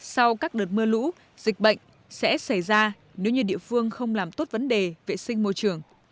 sau các đợt mưa lũ dịch bệnh sẽ xảy ra nếu như địa phương không làm tốt vấn đề vệ sinh môi trường